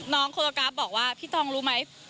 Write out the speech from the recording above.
น้องโคโอกราฟบอกว่าพี่ตองรู้ไหม